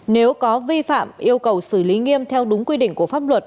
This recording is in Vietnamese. nếu có vi phạm yêu cầu xử lý nghiêm theo đúng quy định của pháp luật